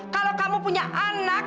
kalau kamu punya anak